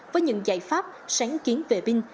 với những giải pháp sáng kiến về pin